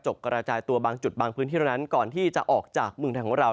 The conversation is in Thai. กระจายตัวบางจุดบางพื้นที่เท่านั้นก่อนที่จะออกจากเมืองไทยของเรา